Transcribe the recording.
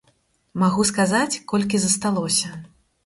Магу сказаць, колькі засталося.